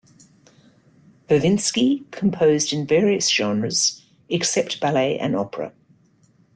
Barvinsky composed in various genres except ballet and opera.